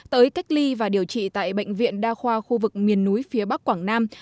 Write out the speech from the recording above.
tới cách ly và điều trị tại bệnh viện đa khoa khu vực miền núi phía bắc quảng nam